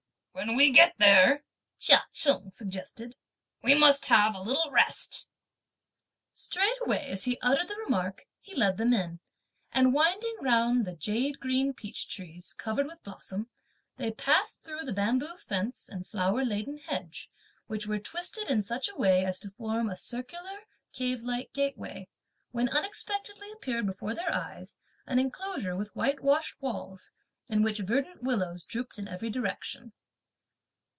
"When we get there," Chia Cheng suggested, "we must have a little rest." Straightway as he uttered the remark, he led them in, and winding round the jade green peach trees, covered with blossom, they passed through the bamboo fence and flower laden hedge, which were twisted in such a way as to form a circular, cavelike gateway, when unexpectedly appeared before their eyes an enclosure with whitewashed walls, in which verdant willows drooped in every direction.